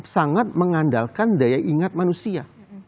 sangat mengandalkan daya ingat manusia